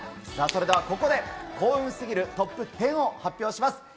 それではここで幸運すぎるトップ１０を発表します。